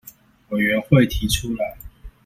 委員會提出來